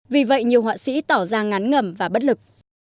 vì vậy nhiều hoạn sĩ tỏ ra ngán ngầm và bất lực